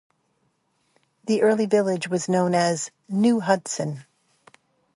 The early village was known as "New Hudson".